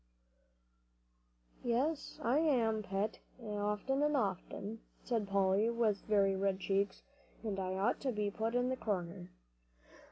"Yes I am, Pet, often and often," said Polly, with very red cheeks, "and I ought to be put in the corner."